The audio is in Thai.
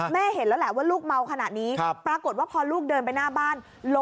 เห็นแล้วแหละว่าลูกเมาขนาดนี้ปรากฏว่าพอลูกเดินไปหน้าบ้าน